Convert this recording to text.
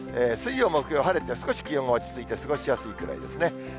水曜、木曜晴れて、少し気温が落ち着いて過ごしやすいくらいですね。